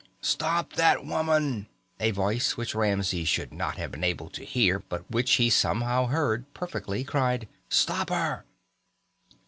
"Stop that woman!" a voice which Ramsey should not have been able to hear but which he somehow heard perfectly cried. "Stop her!"